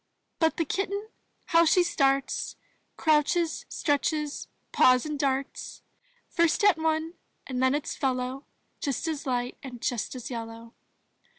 ••• But the Kitten, how she starts, Crouches, stretches, paws, and darts! First at one and then its fellow Just as light and just as yellow.